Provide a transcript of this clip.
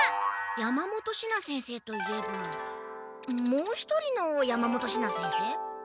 山本シナ先生といえばもう一人の山本シナ先生？